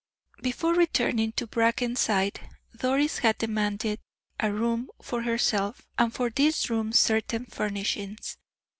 Before returning to Brackenside, Doris had demanded a room for herself, and for this room certain furnishings.